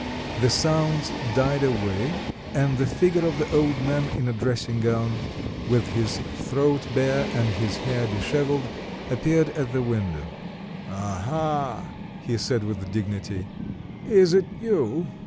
The sounds died away and the figure of the old man in a dressing gown, with his throat bare and his hair dishevelled, appeared at the window. "Aha!" he said with dignity, "is it you?"